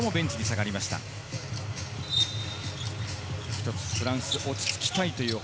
一つフランス、落ち着きたいという話。